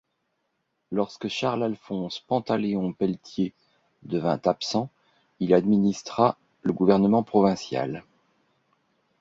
Lorsque Charles-Alphonse-Pantaléon Pelletier devint absent, il administra le gouvernement provincial.